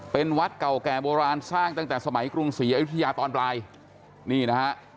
เป็นวัดเก่าแก่โบราณสร้างตั้งแต่สมัยกรุงศรีอยุธยาตอนปลายนี่นะฮะ